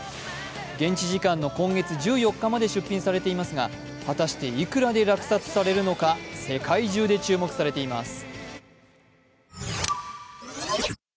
現地時間の今月１４日まで出品されていますが果たして、いくらで落札されるのか世界中で注目されています。